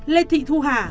lê thị thu hà